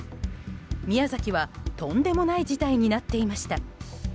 宮崎はとんでもない事態になっていました。